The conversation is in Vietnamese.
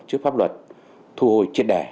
trước pháp luật thu hồi chiết đẻ